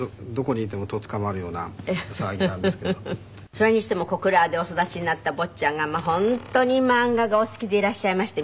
それにしても小倉でお育ちになった坊ちゃんが本当に漫画がお好きでいらっしゃいまして。